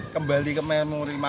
kembali ke memori masa